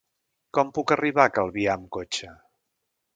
Com puc arribar a Calvià amb cotxe?